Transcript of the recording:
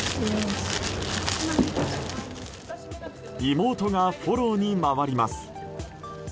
妹がフォローに回ります。